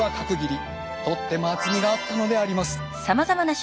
とっても厚みがあったのであります。